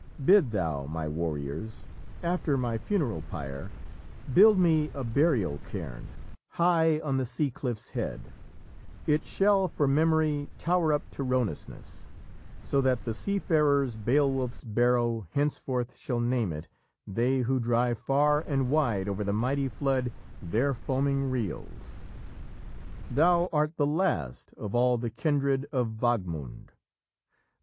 Bid thou my warriors after my funeral pyre Build me a burial cairn high on the sea cliffs head; It shall for memory tower up to Hronesness, So that the sea farers Beowulf's Barrow Henceforth shall name it, they who drive far and wide Over the mighty flood their foaming Reels. Thou art the last of all the kindred of Wagmund!